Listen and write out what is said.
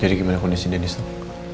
jadi gimana kondisi deni tuh